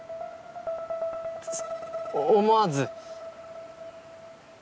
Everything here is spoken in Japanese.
思わず。